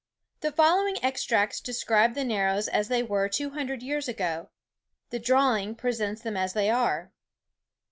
The following extracts describe the Narrows as they were two hundred years ago: the drawing presents them as they are.